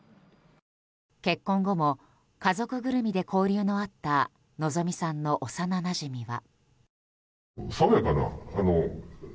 結婚後も家族ぐるみで交流のあった希美さんの幼なじみは。